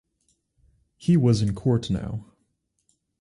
He was in court now.